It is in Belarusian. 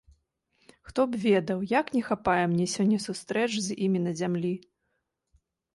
Хто б ведаў, як не хапае мне сёння сустрэч з імі на зямлі!